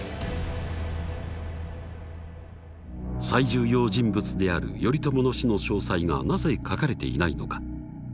最重要人物である頼朝の死の詳細がなぜ書かれていないのか。